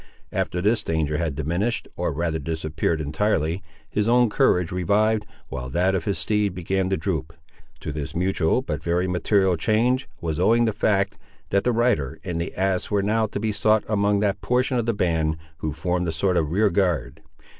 After this danger had diminished, or rather disappeared entirely, his own courage revived, while that of his steed began to droop. To this mutual but very material change was owing the fact, that the rider and the ass were now to be sought among that portion of the band who formed a sort of rear guard.